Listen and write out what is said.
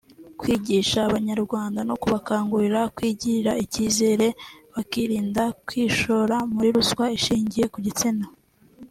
kwigisha Abanyarwanda no kubakangurira kwigirira icyizere bakirinda kwishora muri ruswa ishingiye ku gitsina